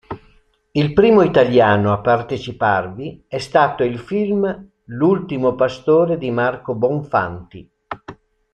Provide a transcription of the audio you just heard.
Il primo italiano a parteciparvi è stato il film L'ultimo pastore di Marco Bonfanti.